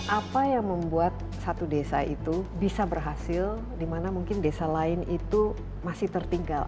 apa yang membuat satu desa itu bisa berhasil di mana mungkin desa lain itu masih tertinggal